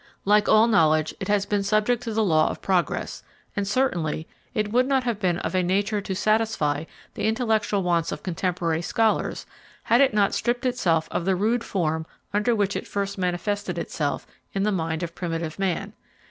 Like all knowledge, it has been subject to the law of progress; and, certainly, it would not have been of a nature to satisfy the intellectual wants of contemporary scholars, had it not stripped itself of the rude form under which it first manifested itself in the mind of primitive man.